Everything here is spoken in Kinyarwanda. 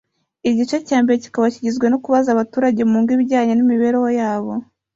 igice cya mbere kikaba kigizwe no kubaza abaturage mungo ibijyanye n’imibereho yabo